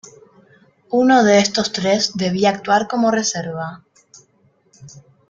Uno de estos tres debía actuar como reserva.